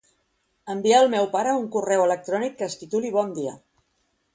Envia al meu pare un correu electrònic que es tituli "bon dia".